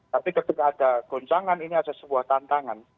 tapi ketika ada goncangan ini ada sebuah tantangan